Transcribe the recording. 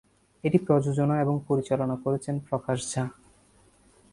এটি প্রযোজনা এবং পরিচালনা করেছেন প্রকাশ ঝা।